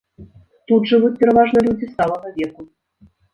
Тут жывуць пераважна людзі сталага веку.